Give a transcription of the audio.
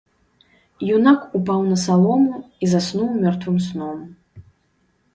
Юнак упаў на салому і заснуў мёртвым сном.